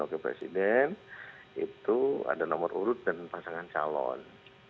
wakil presiden itu ada nomor urut dan pasangan calon